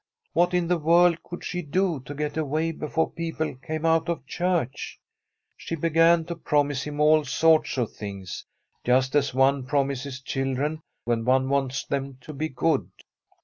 What in the world could she do to get away before people came out of church ? She began to promise him all sorts of things, just as one promises children when one wants them to be good.